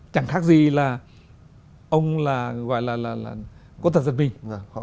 chẳng khác gì là ông là gọi là quốc tật giật mình